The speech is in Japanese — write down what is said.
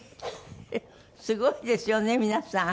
すごいですよね皆さん。